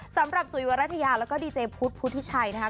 สำหรับจุยวรรถยาและก็ดีเจพุทธพุทธิชัยนะคะ